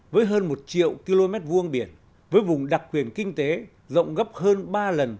với hơn một triệu km hai biển với vùng đặc quyền kinh tế rộng gấp hơn ba lần